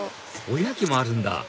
おやきもあるんだ